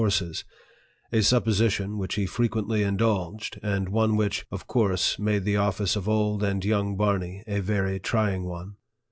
1*7 horses a supposition which he frequently indulged, and one which, of course, made the office of old and young Barney a very trying one.